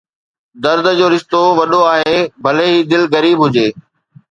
درد جو رشتو وڏو آهي، ڀلي هي دل غريب هجي